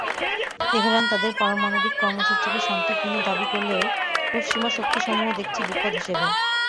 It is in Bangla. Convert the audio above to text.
তেহরান তাদের পারমাণবিক কর্মসূচিকে শান্তিপূর্ণ দাবি করলেও পশ্চিমা শক্তিসমূহ দেখছে বিপদ হিসেবে।